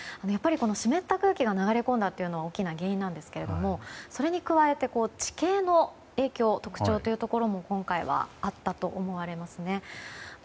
湿った空気が流れ込んだことは大きな原因なんですけどそれに加えて地形の影響特徴というところも今回はあったと思われますね。